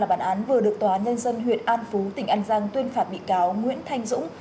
bản án vừa được tòa nhân dân huyện an phú tỉnh an giang tuyên phạt bị cáo nguyễn thanh dũng